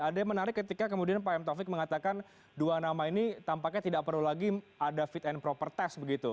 ada yang menarik ketika kemudian pak m taufik mengatakan dua nama ini tampaknya tidak perlu lagi ada fit and proper test begitu